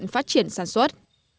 phát triển sản xuất